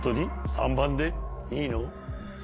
３ばんでいいの？